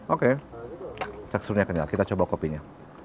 oke teksturnya kenyal kita coba kopinya